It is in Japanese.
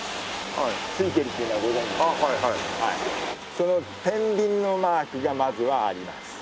そのてんびんのマークがまずはあります。